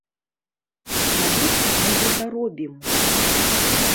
Навошта мы гэта робім?